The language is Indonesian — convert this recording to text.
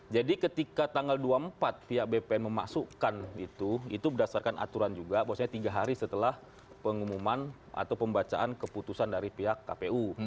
jadi ketika tanggal dua puluh empat pihak bpn memasukkan itu itu berdasarkan aturan juga bahwasannya tiga hari setelah pengumuman atau pembacaan keputusan dari pihak kpu